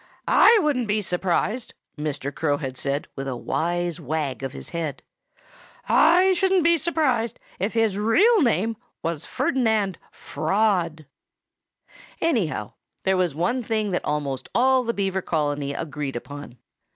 "I shouldn't be surprised " Mr. Crow had said with a wise wag of his head "I shouldn't be surprised if his real name was Ferdinand Fraud." Anyhow, there was one thing that almost all the Beaver colony agreed upon.